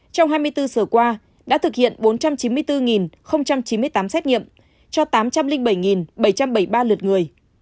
trong hai mươi bốn giờ qua đã thực hiện bốn trăm chín mươi bốn chín mươi tám xét nghiệm cho tám trăm linh bảy bảy trăm bảy mươi ba lượt người